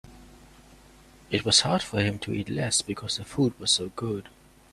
It was hard for him to eat less because the food was so good.